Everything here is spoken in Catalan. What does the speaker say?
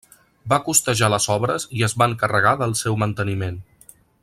Va costejar les obres i es va encarregar del seu manteniment.